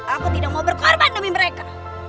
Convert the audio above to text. aku tidak mau berkorban demi mereka